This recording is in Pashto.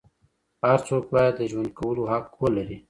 هر څوک باید د ژوند کولو حق ولري.